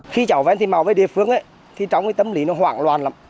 khi cháu ven thị mão về địa phương cháu tâm lý nó hoảng loạn lắm